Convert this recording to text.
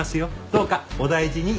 どうかお大事に。